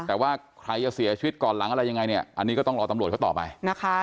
แต่ว่าใครจะเสียชีวิตก่อนหลังอะไรยังไงเนี่ยอันนี้ก็ต้องรอตำรวจเขาต่อไปนะคะ